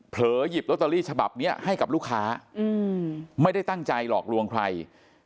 หยิบลอตเตอรี่ฉบับนี้ให้กับลูกค้าไม่ได้ตั้งใจหลอกลวงใคร